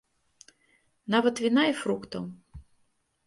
Нават віна і фруктаў.